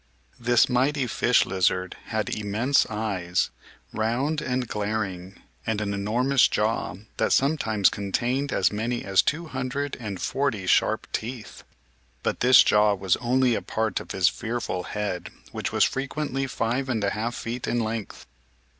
This mighty Fish Lizard had immense eyes, round and glaring, and an enormous jaw that sometimes contained as many as two hundred and forty sharp teeth. But this jaw was only a part of his fearful head which was frequently five and a half feet in length.